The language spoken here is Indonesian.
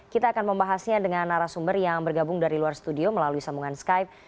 kita akan membahasnya dengan narasumber yang bergabung dari luar studio melalui sambungan skype